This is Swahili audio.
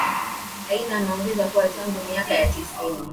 aidha ameongeza kuwa tangu miaka ya sitini